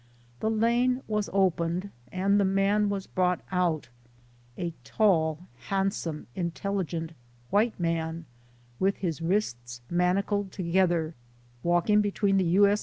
The lane was opened, and the man was brought out a tall, handsome, intelligent white man, with his wrists manacled together, walking between the U. S.